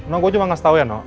no gue cuma ngasih tahu ya no